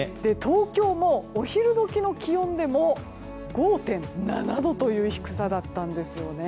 東京もお昼時の気温でも５．７度という低さだったんです。